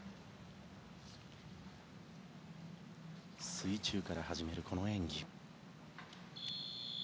水中から始まる、この演技。